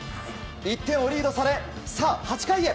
１点をリードされ、８回へ。